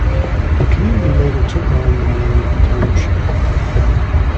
The community later took on the name of the township.